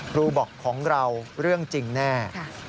ครูบอกของเราเรื่องจริงแน่